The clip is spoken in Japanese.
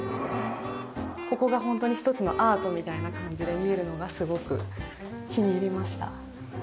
ここがホントに一つのアートみたいな感じで見えるのがすごく気に入りました。